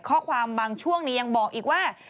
ข้อความบางช่วงนี้ยังบอกอีกว่า